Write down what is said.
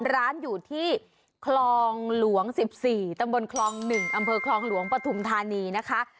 ร้านอยู่ที่คลองหลวง๑๔ตำบลคลอง๑อำเภอคลองหลวงปฐุมธานีนะคะ